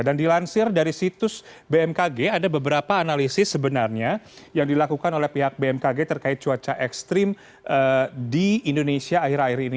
dan dilansir dari situs bmkg ada beberapa analisis sebenarnya yang dilakukan oleh pihak bmkg terkait cuaca ekstrim di indonesia akhir akhir ini